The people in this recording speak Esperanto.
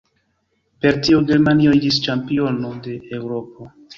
Per tio Germanio iĝis ĉampiono de Eŭropo.